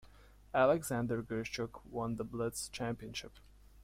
Alexander Grischuk won the Blitz Championship.